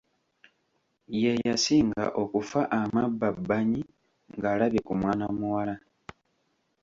Ye yasinga okufa amabbabbanyi ng’alabye ku mwana muwala.